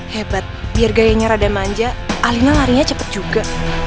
hebat biar gayanya rada manja alina larinya cepet juga